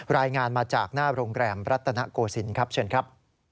รายงานมาจากหน้าโรงแรมรัตนโกศิลป์ครับเชิญครับ